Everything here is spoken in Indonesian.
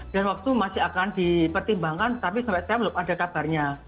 dan waktu masih akan dipertimbangkan tapi sampai saat itu belum ada kabarnya